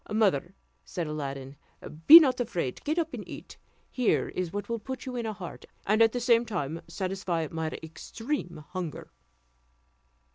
"Mother," said Aladdin, "be not afraid: get up and eat; here is what will put you in heart, and at the same time satisfy my extreme hunger."